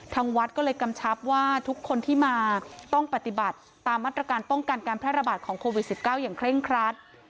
ทางวัดก็เลยกำชับว่าทุกคนที่มาต้องปฏิบัติตามมาตรการป้องกันการแพร่ระบาดของโควิด๑๙อย่างเคร่งครัด